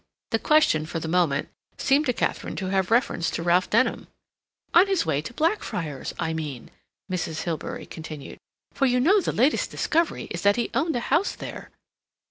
The question, for the moment, seemed to Katharine to have reference to Ralph Denham. "On his way to Blackfriars, I mean," Mrs. Hilbery continued, "for you know the latest discovery is that he owned a house there."